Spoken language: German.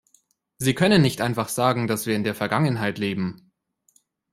Sie können nicht einfach sagen, dass wir in der Vergangenheit leben.